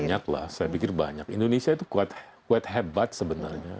ya saya pikir banyak lah indonesia itu kuat hebat sebenarnya